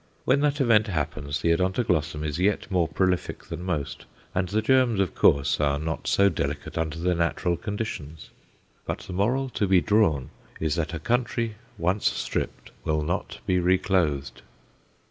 When that event happens, the Odontoglossum is yet more prolific than most, and the germs, of course, are not so delicate under their natural conditions. But the moral to be drawn is that a country once stripped will not be reclothed.